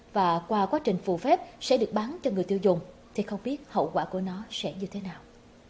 và qua quá trình phù phép sẽ được bán cho người tiêu dùng thì không biết hậu quả của nó sẽ như thế nào